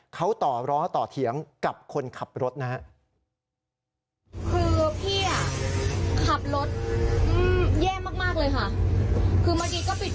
เขาต่อล้อต่อเถียงกับคนขับรถนะฮะ